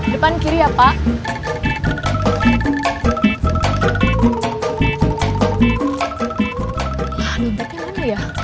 depan kiri ya pak